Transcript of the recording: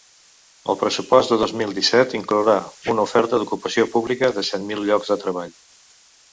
El pressupost del dos mil disset inclourà una oferta d’ocupació pública de set mil llocs treball.